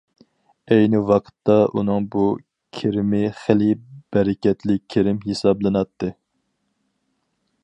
ئەينى ۋاقىتتا ئۇنىڭ بۇ كىرىمى خېلى بەرىكەتلىك كىرىم ھېسابلىناتتى.